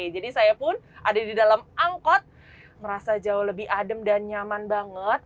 jadi saya pun ada di dalam angkut merasa jauh lebih adem dan nyaman banget